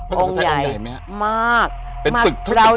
เอางใหญ่พระศักดิ์คะอังใหญ่มาก